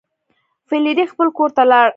فلیریک خپل کور ته لاړ.